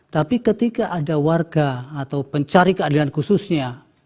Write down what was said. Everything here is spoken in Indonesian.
tapi ketika ada warga atau pencari keadilan khususnya